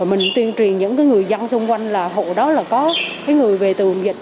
mình tuyên truyền những người dân xung quanh là hộ đó là có người về từ vùng dịch